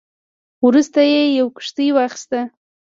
وروسته یې یوه کښتۍ واخیسته.